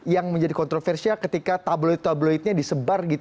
yang menjadi kontroversial ketika tabloid tabloidnya disebar gitu di mesin internet